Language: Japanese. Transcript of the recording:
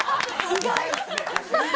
意外！